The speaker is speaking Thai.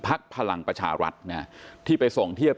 พลังประชารัฐที่ไปส่งเทียบ